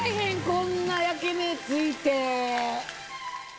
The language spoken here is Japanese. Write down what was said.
こんな焼き目ついて。